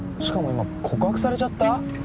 しかも今告白されちゃった？